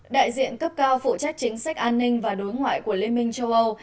đại diện cấp cao phụ trách chính sách an ninh và đối ngoại của liên minh châu âu